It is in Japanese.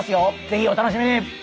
ぜひお楽しみに！